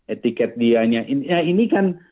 etiket dianya ini kan